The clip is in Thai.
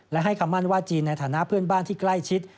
และให้คำมั่นว่าจีนในฐานะเพื่อนบ้านที่ใกล้ชิด